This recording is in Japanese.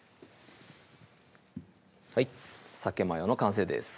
はい「さけマヨ」の完成です